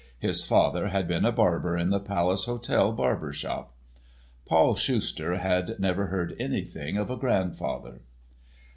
His father had been a barber in the Palace Hotel barber shop. Paul Schuster had never heard anything of a grandfather.